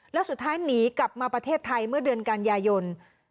แล้วสุดท้ายหนีกลับมาประเทศไทยเมื่อเดือนกันยายน